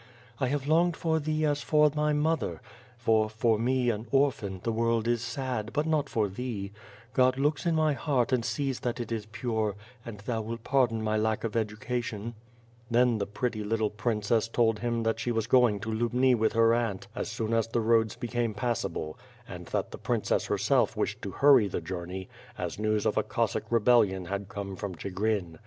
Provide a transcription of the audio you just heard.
I have longed for thee as for my mother; for, for me, an orphan, the world is sad, but not for thee God looks in my heart and sees that it is pure and thou wilt pardon my lack of education " Then the pretty little princess told him that she was going to Lubni with her aunt as soon as the roads became passable and that ^he Princess herself wished to hurry the journey, as news of a Cossack rebellion had come from Chigrin.